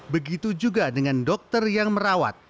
begitu juga dengan dokter yang merawat